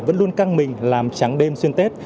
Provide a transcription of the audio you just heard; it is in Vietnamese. vẫn luôn căng mình làm trắng đêm xuyên tết